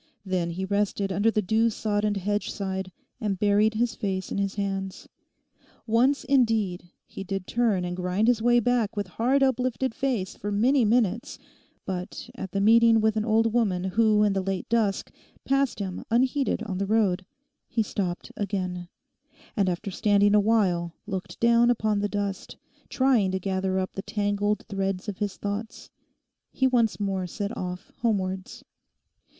Then he rested under the dew sodden hedgeside and buried his face in his hands. Once, indeed, he did turn and grind his way back with hard uplifted face for many minutes, but at the meeting with an old woman who in the late dusk passed him unheeded on the road, he stopped again, and after standing awhile looking down upon the dust, trying to gather up the tangled threads of his thoughts, he once more set off homewards.